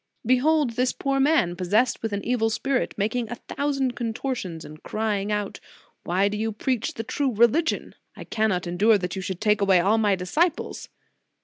"Behold this poor man, possessed with an evil spirit, making a thousand contortions, and crying out: Why do you preach the true religion? I cannot endure that you should take away all my disciples.